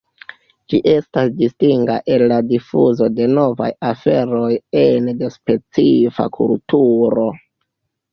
Ĝi estas distinga el la difuzo de novaj aferoj ene de specifa kulturo.